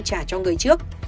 trả cho người trước